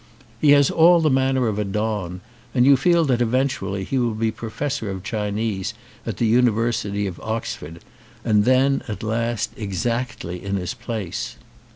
He has all the man ner of a don and you feel that eventually he will be professor of Chinese at the University of Ox ford and then at last exactly in his place.